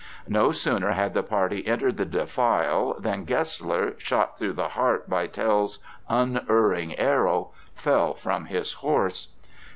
No sooner had the party entered the defile than Gessler, shot through the heart by Tell's unerring arrow, fell from his horse.